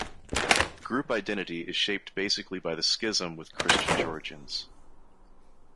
Group identity is shaped basically by the schism with Christian Georgians.